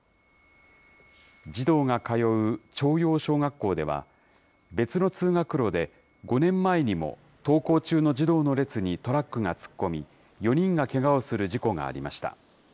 児童が通う朝陽小学校では、別の通学路で５年前にも登校中の児童の列にトラックが突っ込み、４人がけがをする事故がありました。